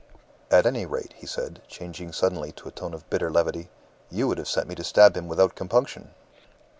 "At any rate," he said, changing suddenly to a tone of bitter levity, "you would have sent me to stab him without compunction."